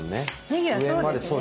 ねぎはそうですね。